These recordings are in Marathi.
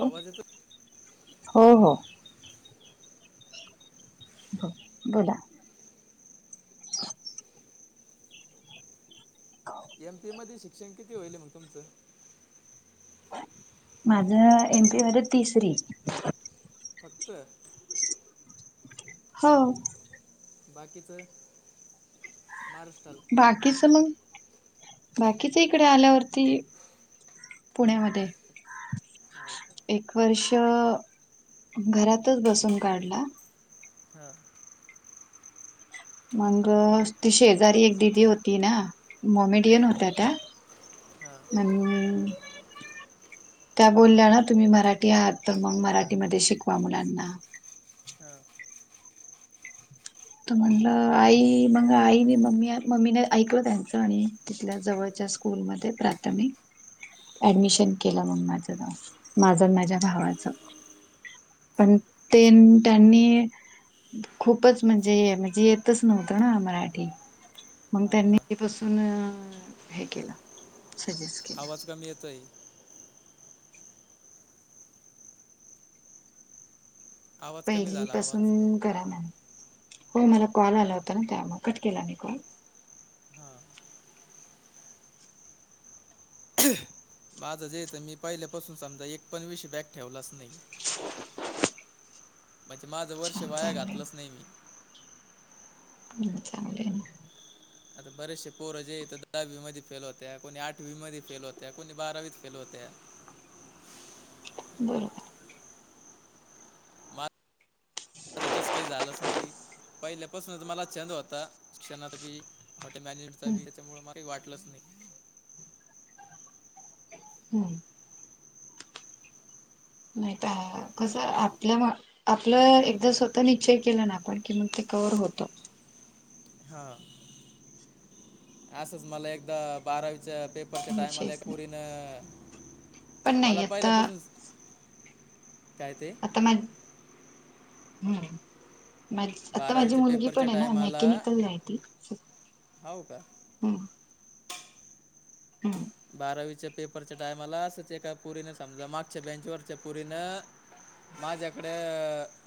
हो. आवाज येतो हो. हो. बोला. [inaudible] [inaudible] एम पी ए मध्ये शिक्षण किती होईल मग तुमचं? माझं एम पी ए वर तिसरी. फक्त हो. बाकीचं महाराष्ट्राला. बाकीच मग, बाकीच इकडे आल्यावरती. पुण्यामध्ये. हो का? एक वर्ष घरातच बसून काढला. हा. मंग ती शेजारी एक दिदी होती ना मोमोडियन हां होत्या त्या. हां म्हणं. त्या बोलल्या ना तुम्ही मराठी आहात तर, मग मराठीमध्ये शिकवा मुलांना. हां तो म्हणला, आई मग आईने मम्मी मम्मीने ऐकलं त्यांचं आणि तिथल्या जवळच्या स्कूलमध्ये प्राथमिक. ऍडमिशन केलं मग माझं जाऊन माझं अन माझ्या हो. भावाचं. अच्छा. पण ते त्यांनी खूपच म्हणजे म्हणजे, येतच नव्हतं ना मराठी. मग हां त्यांनी हां आधी पासून हे केलं. सजेस्ट केलं आवाज कमी येतोय. आवाज कमी पहिली झाला आवाज पासून करा मॅम. हो मला कॉल आला होता ना, त्यामुळे कट केला मी कॉल. हां माझं जेे येतं मी पहिल्यापासून समजा एक पण विषय बॅक ठेवलाच नाही. [inaudible] म्हणजे, माझं वर्ष छान वाया चांगले घातलंच नाही मी. हमं चांगले आहे ना. आता बरेचसे पोर इथं तर दहावी मध्ये फेल होत, कोणी आठवी मध्ये फेल होत, कोणी बारावीत फेल होत. बरोबर. मा आता तस काही झालंच नाही. तसं मला छंद होता शिक्षणात बी हॉटेल मॅनेजमेंटचा त्याच्यामुळे मला काही वाटलंच नाही. हम्म. निताह कसं आपल्या आपलं एकदा स्वतः निश्चय केला ना आपण की मग ते कव्हर होत. हा. असंच मला एकदा बारावीच्या पेपरच्या टाइमाला विषयच एक नाही पोरीनं. पण मला नाही आता पाहिल्यापासूनच काय ते? आता माझी हमं. [unintelligible] आता माझी बारावीच्या मुलगी पेपरच्या पण आहे ना टायमाला मेकॅनिकलला आहे ती. हो का हम्म. बारावीच्या पेपरच्या टायमाला असंच, एका पोरीने समजा मागच्या बेंचवरच्या पोरीनं माझ्याकडे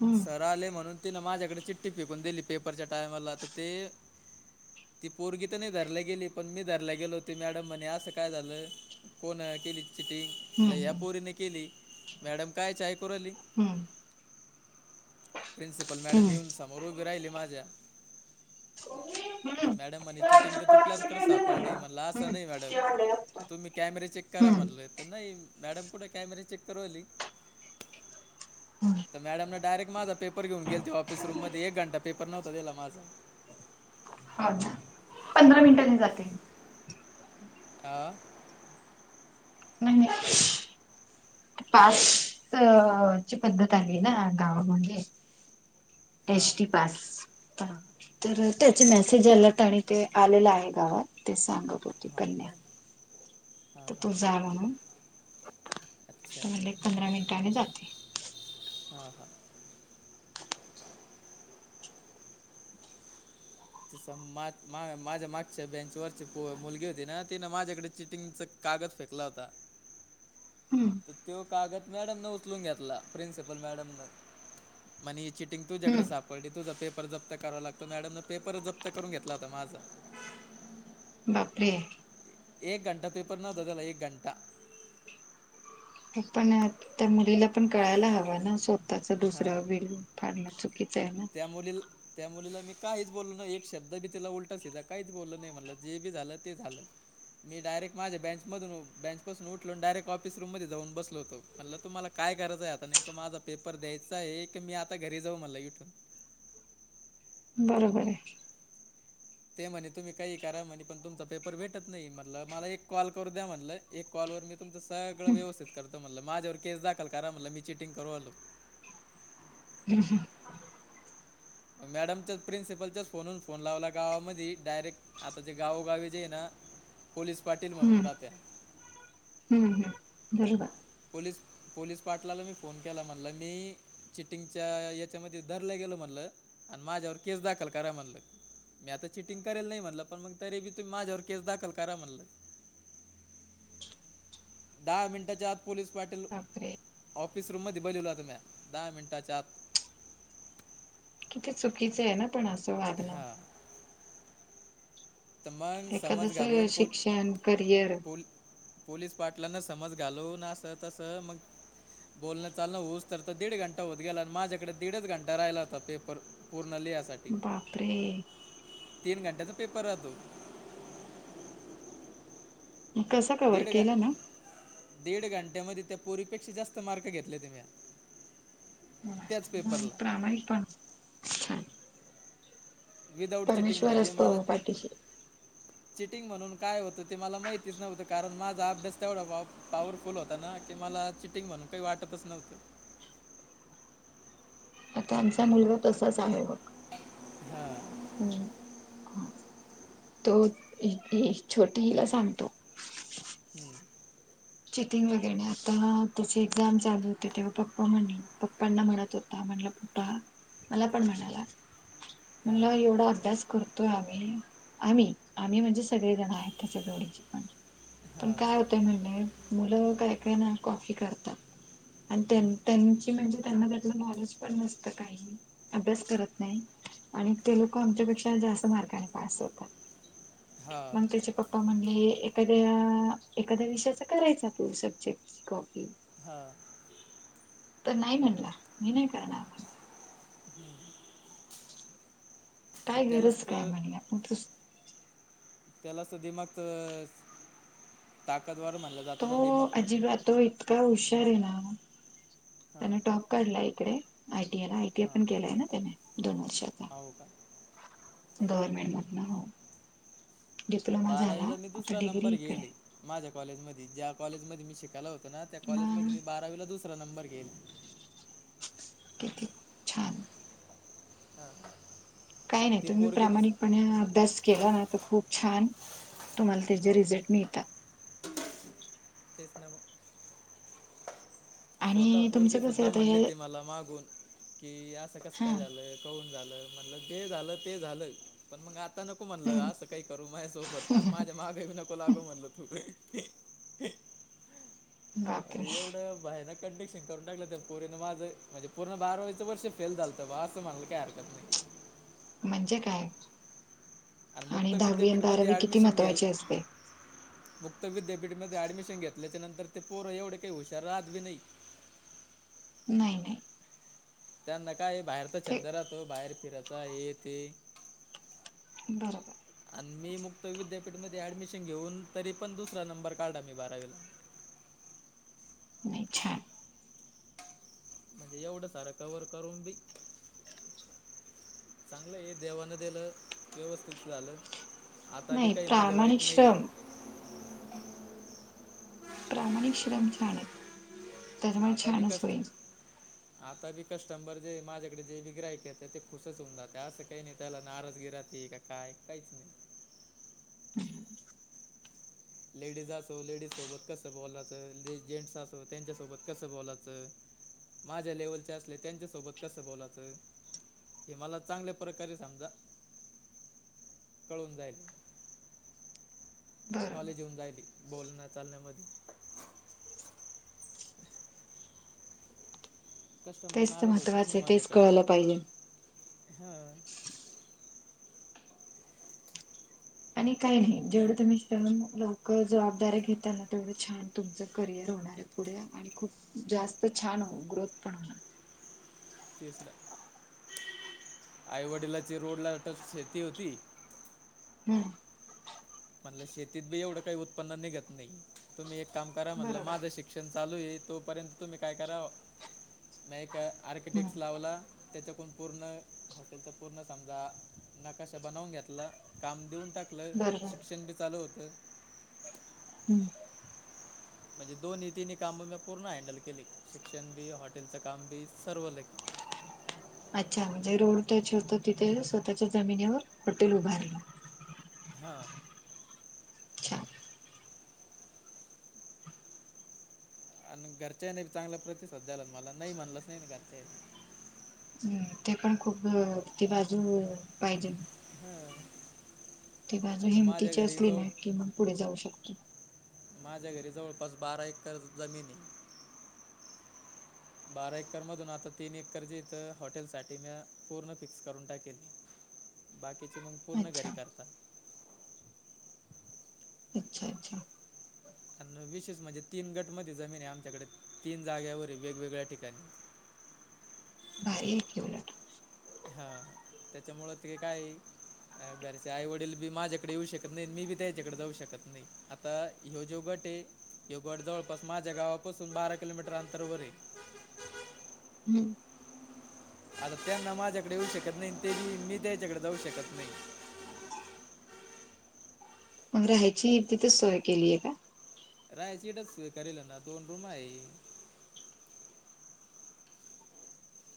हम्म सर आले म्हणून तिनं माझ्याकडे चिठ्ठी फेकून दिली पेपरच्या टायमाला तर ते ती पोरगी तर नाही धरल्या गेली पण, मी धरला गेलों ती मॅडम म्हणे अस काय झालं, कोनं केलीती चिट्टी लय हम्म याप. पोरीने केली मॅडम काय ची ऐकू राहिली. हम्म प्रिन्सिपल हम्म मॅडम येऊन समोर उभी राहिली माझ्या. मॅडम म्हणे, चिटिंग तर तुपल्याचकडे सापडली म्हणला असं नाही मॅडम. मी कॅमेरा चेक करा हम्म म्हटलं, तर नाही मॅडम कुठ कॅमेरा चेक करु राहिली हम्म तर मॅडमने डायरेक्ट माझा पेपर घेऊन गेल ते, ऑफिस रूम मध्ये एक घंटा पेपर नव्हता दिला माझा. हो पंधरा मिनिटांनी जाते. हा. नाही. पास ची पद्धत आली आहे ना गावामध्ये. हां एस. टी. पास. का हा तर त्याचे मेसेज याला ताणी ते आलेलं आहे गावात ते सांग पण. हाव का. हां तर हां तू जा म्हणून. अच्छा तुम्हाले एक पंधरा मिनिटाने जाते. हा हा. तिस मा माझ्या मागच्या बेंचवरची पो मुलगी होती ना तिनं माझ्याकडे चिटिंगच कागद फेकला होता. हम्म. तर तो कागद मॅडमनें उचलून घेतला प्रिन्सिपल मॅडमने. म्हणे ही चिटिंग तुझ्याकडे हम्म सापडली तुझं पेप पेपर जप्त करावा लागतो मॅडमने पेपर जप्त करून घेतला होता माझा. बापरे! एक घंटा पेपर नव्हतं त्याला एक घंटा. पण, त्या मुलीला पण कळायला हवा ना स्वतःच दुसऱ्यावर बिल. फाडणं चुकीचं आहे ना. त्यामुळील. त्या मुलीला मी काहीच बोललो नाही एक शब्द बी तिला उलट सीधा काहीच बोललो नाही म्हणलं जे बी झालं ते झालं. मी डायरेक्ट माझा बेंच मधून बेंचपासून उठलो आन डायरेक्ट ऑफिस रूम मधून जाऊन बसलो होतो. म्हणलं तुम्हाला काय करायचं आहे आता नेमकं माझा पेपर द्यायचा आहे की मी आता घरी जाऊ म्हणला इठून. बरोबर आहे. ते म्हणे तुम्ही काही करा म्हणे पण तुमचा पेपर भेटत नाही. म्हटलं मला एक कॉल करू द्या म्हणलं एक कॉलवर मी तुमचं सगळं व्यवस्थित करतो म्हटलं, माझ्यावर केस दाखल करा म्हटलं मी चिटिंग करू आलो. हम्म हम्म. मॅडमच्या प्रिन्सिपलच्याच फोनून फोन लावला गावामधी डायरेक्ट आता जे गावोगावी जे आहे ना पोलीस पाटील म्हणून हम्म राहत्या. हम्म हम्म दालं बा. पोलीस, पोलीस पाटलाला मी फोन केला म्हणलं, मी चिटिंगच्या याच्यामध्ये धरलं गेलं म्हणलं आणि माझ्यावर केस दाखल करा म्हणलं. मी आता चिटिंग करेल नाही म्हणलं पण मग तरी बी तुमी माझ्यावर केस दाखल करा म्हणलं दहा मिनिटांच्या आत पोलीस पाटील बापरे. ऑफिस रूम मध्ये बोलल्या तुम्या दहा मिनटाच्या आत. किती चुकीचं आहे ना पण असं वादणं. हां तर मंग समज एखादस घालून फुल शिक्षण करिअर फुल पोलीस पाटलान समज घालवून असं तसं मग बोलणं चालंण होऊस तर दीड घंटा होत गेला माझ्याकडे दीडच घंटा राहिला होता पेपर. पूर्ण लिहायसा बापरे! तीन घंट्याचा पेपर राहतो. कसं कव्हर दीड घ केला ना? दीड घंट्यामध्ये त्या पोरीपेक्षा जास्त मार्क घेतले ते मी. हा त्याच मग पेपरला प्रामाणिकपणा छान. विदाउट चिटिंग परमेश्वर म्हणजे असतो मला पाठीशी चिटिंग म्हणून काय होतं ते मला माहितीच नव्हतं. कारण माझा अभ्यास तेवढा भा पॉवरफुल होता ना की मला चिटिंग म्हणून काही वाटतच नव्हतं. तर त्यांच्या मुलगा तसाच आहे बघ. हा. हम्म खाच तो ही छोटी हिला सांगतो. हम्म. चेकिंग वगैरे आता ना त्याची एक्झाम चालू होते तेव्हा पप्पा म्हणले पप्पांना म्हणत होते. ता म्हणलं फुट्टा मला पण म्हणाला म्हणलं एवढा अभ्यास कर. तो आम्ही आम्ही आम्ही म्हणजे सगळे जण आहेत त्याच्या जोडीचे पण पण हां काय होत ते [unintelligible] मुलं काय काय ना कॉफी करतात. आणि त्यांची म्हणजे, त्यांना त्यातलं नॉलेज पण नसत काही अभ्यास करत नाही. आणि ते लोक आमच्यापेक्षा जास्त मार्काने पास होतात. हां हां मग त्याचे पप्पा म्हणले, एखाद्या एखाद्या विषयाचा करायचा तू सब्जेक्टची कॉपी. हा. तर नाही म्हंटला, मी नाही करणार. हम्म. काय मग त्यालाच गरज काय तर म्हणल्या. [unintelligible] त्यालाच तर [unintelligible] ताकद वार म्हणलंय. तो अजिबात तो इतका हुशार आहे ना, हां त्यानं टॉप पडलाय इकडे आयटीयाला आयटीया पण केलाय ना त्याने दोन वर्षाच. हाव का? गव्हर्मेंटमधन हो. डिप्लोमा झाला बारावीला मी आता दुसरा डिग्री नंबर इकडे. घेले माझ्या कॉलेजमध्ये ज्या कॉलेजमध्ये मी शिकायला होतो ना, त्या मग कॉलेजमध्ये मी बारावीला दुसरा नंबर घेईल. किती? छान हा. काय नाय. तुम्ही प्रामाणिकपणे अभ्यास केला ना, तर खूप छान तुम्हाला त्याचे हो रिझल्ट मिळतात. तेच ना मग स्वतः आणि पोरगी तुमचं कसं सुद्धा आता म्हणली हे ती मला मागून, की असं कसं हा काय झालं. काहून झालं. म्हटलं जे झालं ते झालं. पण मग आता नको म्हणलं असं हम्म काही करू माझ्या सोबत आणि माझ्या माग बी नको लागु म्हणलं तु. बापरे आणि एवढं भयानक. कंडिशन करून टाकलं पोरीनं माझं म्हणजे, पूर्ण बारावीचा वर्ष फेल झालतं माझं असं म्हणायला काय हरकत नाही. म्हणजे काय आणि मुक्त दहावी आणि विद्यापीठमध्ये बारावी किती ॲडमिशन घेल महत्त्वाची असते. मुक्त विद्यापीठमध्ये ऍडमिशन घेतल्याच्या नंतर, ते ते पोरं एवढे हुशार भी काय राहत नाही. नाही नाही. त्यांना काही बाहेरचा ते छंद राहतो. बाहेर फिरचा हे ते. बरोबर. आणि मी मुक्त विद्यापीठमध्ये ऍडमिशन घेऊन, तरी पण दुसरा नंबर काढला मी बारावीला. नाही छान. म्हणजे एवढं सार कवर करून बी चांगलं हाय देवानं दिलं व्यवस्थित झालं. आता बी नाही काय माझं प्रामाणिक वाईट नाहीये. श्रम प्रामाणिक श्रम छान हायतं. आता बी कष्ट आता बी कस्टमबर जे माझ्याकडे जे बी ग्राहक येत, ते खुशच होऊन जातं. असं काही नाही त्याला नाराजगी राहते, का काय काहिच नाही. हम्म. लेडीज असो लेडीज सोबत कसं बोलाच. जेंट्स असो त्यांच्यासोबत कसं बोलाच. माझ्या लेव्हलचे असले, त्यांच्यासोबत कसं बोलाच. ते मला चांगल्या प्रकारे समजा, कळून जाईल. बरोबर नॉलेज येऊन जायली, बोलण्या चालण्यामध्ये. कस्टमर तेच तर नाराज महत्त्वाचं आहे, तेच कळलं पाहिजे. हो. आणि काही नाही, जेवढं तुम्ही. त्यामुळं लवकर जबाबदाऱ्या घेताना तेवढ छान तुमचं करियर होणार आहे पुढे. [unintelligible] आणि खूप जास्त छान ग्रोथ पण होणार. तेच ना, आई वडिलाची रोडला टच शेती होती. हम्म. म्हणलं शेतीत बी एवढं काही उत्पन्न निघत नाही, तुम्ही एक काम करा म्हणलं बरोबर माझं शि शिक्षण चालू आहे, तोपर्यंत तुम्ही काय करा मै एक आर्किटेक्ट हम्म लावला. त्याच्याकून पूर्ण हॉटेलचं पूर्ण समजा नाकाशा बनवून घेतला, काम देऊन टाकलं बरोबर शिक्षण बी चालू होतं. हम्म. म्हणजे दोन्ही तिन्ही काम मी पूर्ण हँडल केले, शिक्षण बी हॉटेलचं काम बी सर्व लेक. अच्छा म्हणजे, रोड टच होत तिथे स्वतःच्या जमिनीवर हॉटेल उभारलं. हां. अच्छा. आणि घरच्यांनी ही नाही चांगला प्रतिसाद द्यायलात, मला नाही म्हणलंच नाही ना घरच्यानी. हम्म ते पण खूप, ती बाजू पाहिजे. हां ती बाजू आता माझ्या हिंमतीची घरी असली जवळ ना, कि मग पुढे जाऊ शकतो. माझ्या घरी जवळपास बारा एकर जमीन आहे. बारा एकरमधून आता तीन एकर चा, इथं हॉटेलसाठी मी पूर्ण फिक्स करून टाकेल. बाकीचे मग, पूर्ण घरी अच्छा करतात. अच्छा अच्छा. आणि विशेष म्हणजे तीन गटमध्ये जमीन आहे, आमच्याकडे तीन जागेवर वेगवेगळ्या ठिकाणी. भारी हाय की उलट. हां.. तेच्यामुळ ते कायं, घरचे आई वडील बी माझ्याकडे येऊ शकत नाही, मी बी त्यांच्याकडे जाऊ शकत नाही. आता ह्यो जो गट ये. ह्यो गड जवळपास माझ्या गावापासून बारा किलोमीटर अंतर वर ये. हम्म. आता त्यांना माझ्याकडे येऊ शकत नाही, ते मी त्यांच्याकडे जाऊ शकत नाही. मग राहायची, तिथेच सोय केलीय का. राहायची इथंच सोय करेल ना, दोन रूमा आहे.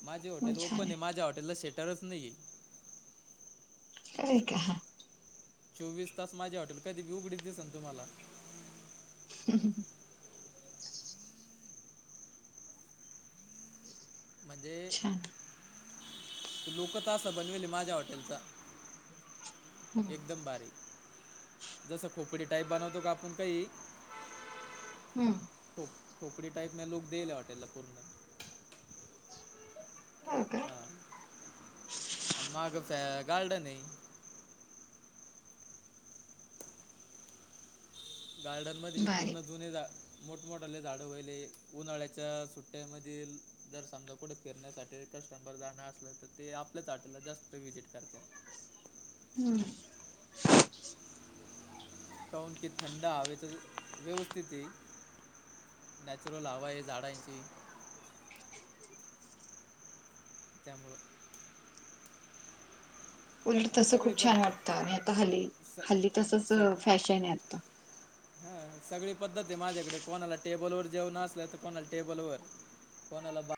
माझे मग हॉटेल छान ओपन आहे, माझ्या हॉटेला शेटरच नाहीे. काय का चोवीस तास माझी हॉटेल, कधी बी उघडीच दिसन तुम्हाला. हम् हम. म्हणजे, छान लूकच असा बनविला माझ्या हॉटेलचा. हम्म एकदम भारी. जसं खोपडी टाईप बनवतो, का आपण काही. हम्म. खोप-खोपडी टाईपन लूक देईले हॉटेलला पूर्ण. हो कां. हां. आणि मागचं गार्डन ये. गार्डन मध्ये, भारी पूर्ण जुने झा मोठ मोठाले झाडं वहिले, उन्हाळ्याच्या सुट्ट्या मधील. जर समजा कुठे फिरण्यासाठी कस्टमर जाणार असलं, तर ते आपल्याच हॉटेला जास्त व्हिजिट करतात ‌. हम्म. काऊन की थंड हवेच व्यवस्थित हे. नॅचरल हवा आहे झाडांची. त्यामुळं, उलट आणि तस सगळी खूप पद छान वाटतं आणि आता हल्ली स हल्ली तसच फॅशन आहे आता. हा सगळी पद्धत हाय माझ्याकडे. कोणाला टेबलवर जेवण असलं, तर कोणाला टेबलवर कोणाला बा